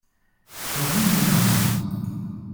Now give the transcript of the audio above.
Pas vous, mon garçon…